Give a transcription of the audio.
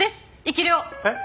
えっ？